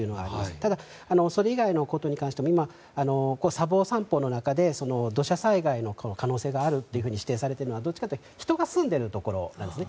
ただ、それ以外のことに関しても砂防三法の中で土砂災害の可能性があると指摘されているのはどっちかっていうと人が住んでるところなんですね。